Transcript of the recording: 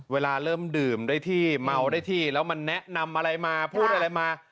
เวลาเริ่มดื่มได้ที่เมาได้ที่แล้วมันแนะนำอะไรมาพูดอะไรมา